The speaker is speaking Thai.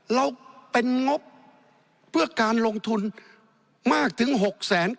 เราเป็นงบเพื่อการลงทุนมากถึง๖๙๕๐๗๗ล้านบาท